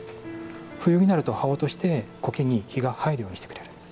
冬になると葉を落として苔に日が入るようにしてくれる。